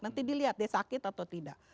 nanti dilihat dia sakit atau tidak